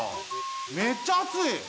めっちゃあつい！